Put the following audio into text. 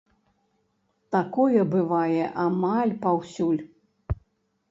Такое бывае амаль паўсюль.